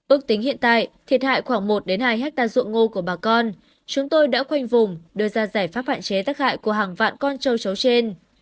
ước tính hiện tại thiệt hại khoảng một hai hectare ruộng ngô của bà con chúng tôi đã khoanh vùng đưa ra giải pháp hạn chế tác hại của hàng vạn con châu chấu trên